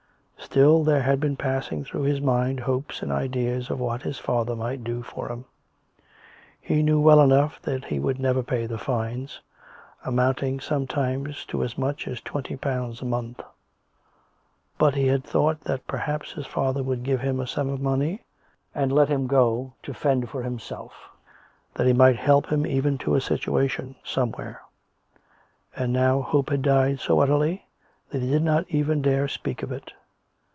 Still there had been pass ing through his mind hopes and ideas of what his father might do for him. He knew well enough that he would never pay the fines, amounting sometimes to as much as twenty pounds a month; but he had thought that perhaps his father would give him a sum of money and let him go to fend for himself; that he might help him even to a situation somewhere ; and now hope had died so utterly that he did not even dare speak of it.